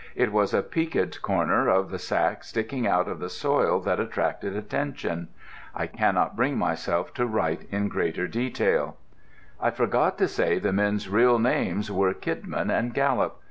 It was a peaked corner of the sack sticking out of the soil that attracted attention. I cannot bring myself to write in greater detail. I forgot to say the men's real names were Kidman and Gallop.